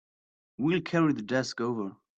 We'll carry the desk over.